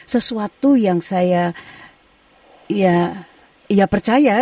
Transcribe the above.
sesuatu yang saya percaya